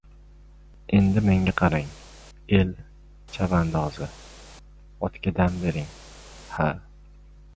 — Endi menga qarang, el chavandozi, otga dam bering, ha.